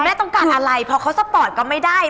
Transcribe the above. แม่ต้องการอะไรเพราะเขาสปอร์ตก็ไม่ได้